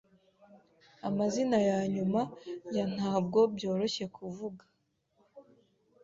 Amazina yanyuma ya ntabwo byoroshye kuvuga.